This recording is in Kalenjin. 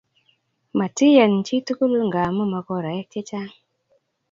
Matiyan chituku ngamnu makorae che chang